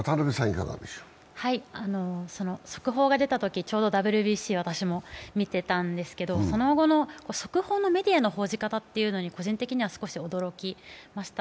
速報が出たときちょうどＷＢＣを私も見ていたんですけど速報のメディアの報じ方に個人的には驚きました。